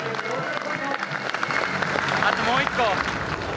あともう一個！